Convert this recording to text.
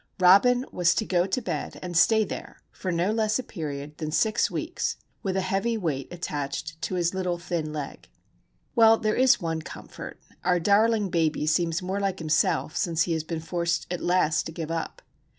Robin was to go to bed and stay there for no less a period than six weeks, with a heavy weight attached to his little thin leg. Well, there is one comfort. Our darling baby seems more like himself since he has been forced at last to give up.